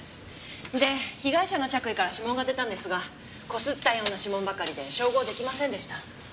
で被害者の着衣から指紋が出たんですがこすったような指紋ばかりで照合出来ませんでした。